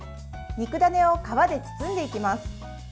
肉ダネを皮で包んでいきます。